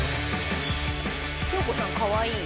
京子さんかわいい。